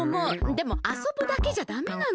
でもあそぶだけじゃダメなの。